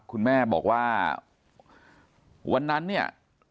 คุณแม่บอกว่าวันนั้นเนี่ย